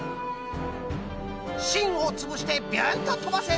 しんをつぶしてビュンととばせ！